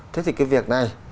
thế thì cái việc này